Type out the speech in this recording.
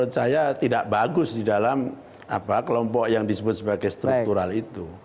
saya tidak bagus di dalam kelompok yang disebut sebagai struktural itu